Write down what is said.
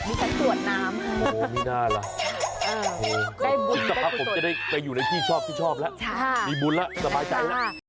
มีแสดงตรวจน้ำค่ะโอ้ไม่น่าล่ะโอ้มีสภาพผมจะได้อยู่ในที่ชอบแล้วมีบุญแล้วสบายใจแล้ว